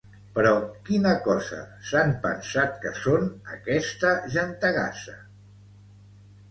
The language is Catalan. Però quina cosa s'han pensat que són, aquesta gentegassa?